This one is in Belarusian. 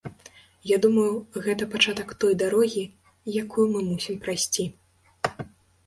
Я думаю, гэта пачатак той дарогі, якую мы мусім прайсці.